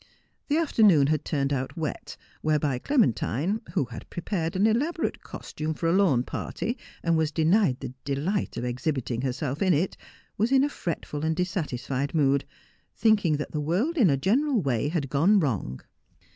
The afternoon had turned out wet, whereby Clementine, who had prepared an elaborate cos tume for a lawn party, and was denied the delight of exhibiting herself in it, was in a fretful and dissatisfied mood, thinking that the world in a general way had gone wrong.